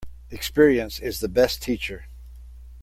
Experience is the best teacher.